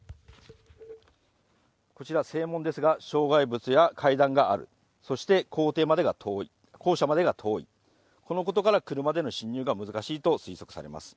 こちら正門ですが、障害物や階段がある、そして校庭までが遠い、校舎までが遠い、このことから車での侵入が難しいと推測されます。